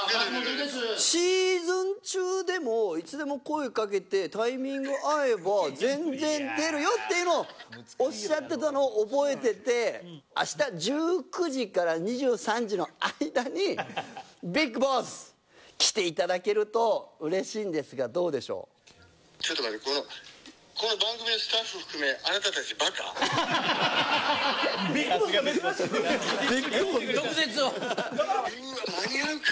シーズン中でもいつでも声かけてタイミング合えば全然出るよって言うのをおっしゃっていたのを覚えていてあした１９時から２３時の間にＢＩＧＢＯＳＳ来ていただけるとうれしいんですがちょっと待ってこの番組のスタッフ含めあなたたちばか。